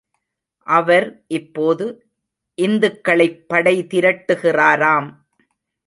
அவர் இப்போது இந்துக்களைப் படை திரட்டுகிறாராம்.